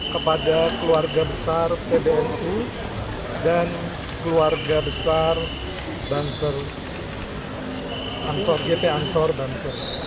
kepada keluarga besar pbnu dan keluarga besar banser gp ansor banser